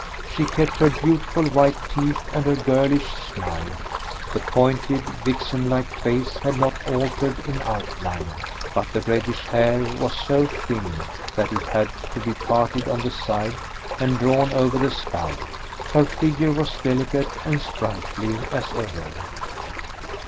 She kept her beautiful white teeth and her girlish smile; the pointed, vixen like face had not altered in outline, but the reddish hair was so thin that it had to be parted on the side and drawn over the skull; her figure was delicate and sprightly as ever.